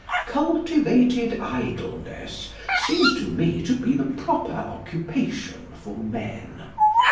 Cultivated idleness seems to me to be the proper occupation for men.